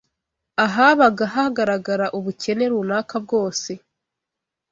Ahabaga hagaragara ubukene runaka bwose